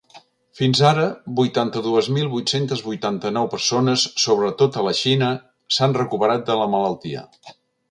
Fins ara, vuitanta-dues mil vuit-centes vuitanta-nou persones, sobretot a la Xina, s’han recuperat de la malaltia.